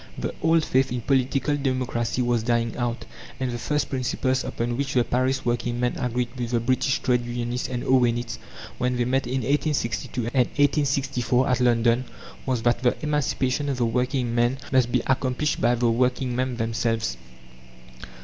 The old faith in Political Democracy was dying out, and the first principles upon which the Paris working men agreed with the British trade unionists and Owenites, when they met in 1862 and 1864, at London, was that "the emancipation of the working men must be accomplished by the working men themselves."